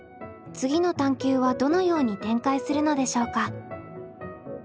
次の探究はどのように展開するのでしょうか？